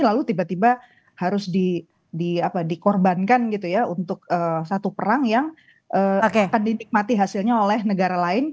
lalu tiba tiba harus dikorbankan gitu ya untuk satu perang yang akan dinikmati hasilnya oleh negara lain